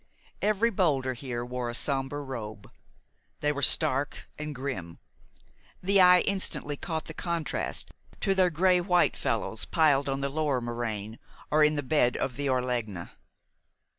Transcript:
Every boulder here wore a somber robe. They were stark and grim. The eye instantly caught the contrast to their gray white fellows piled on the lower moraine or in the bed of the Orlegna.